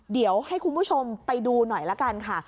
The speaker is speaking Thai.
เดี๋ยวให้คุณผู้ชมไปดูหน่อยละกันค่ะ